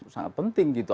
sangat penting gitu